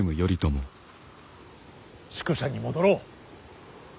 宿所に戻ろう。